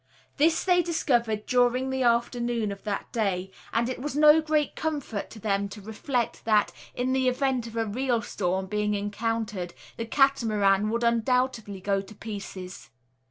This they discovered during the afternoon of that day; and it was no great comfort to them to reflect that, in the event of a real storm being encountered, the Catamaran would undoubtedly go to pieces.